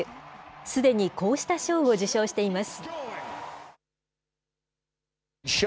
すでに、こうした賞を受賞しています。